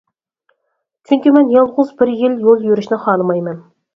چۈنكى مەن يالغۇز بىر يىل يول يۈرۈشنى خالىمايمەن.